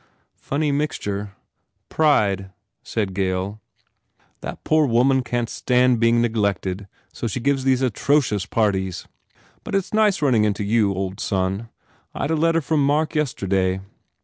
"Funny mixture." "Pride," said Gail, "The poor woman can t stand being neglected so she gives these atrocious parties. But it s nice running into you, old son. I d a letter from Mark yesterday.